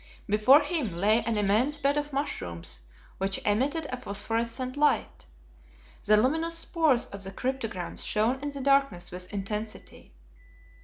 Before him lay an immense bed of mushrooms, which emitted a phosphorescent light. The luminous spores of the cryptograms shone in the darkness with intensity.